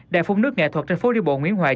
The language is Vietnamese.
đại phung nước nghệ thuật trên phố đi bộ nguyễn hoài